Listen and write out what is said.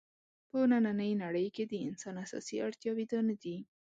په نننۍ نړۍ کې د انسان اساسي اړتیاوې دا نه دي.